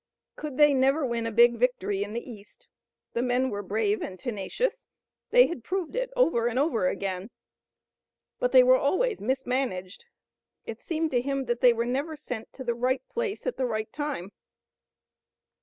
Could they never win a big victory in the east? The men were brave and tenacious. They had proved it over and over again, but they were always mismanaged. It seemed to him that they were never sent to the right place at the right time.